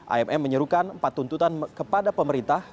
amm menyerukan empat tuntutan kepada pemerintah